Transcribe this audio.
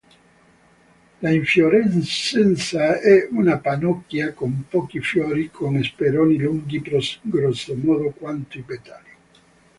L'infiorescenza è una pannocchia con pochi fiori con speroni lunghi grossomodo quanto i petali.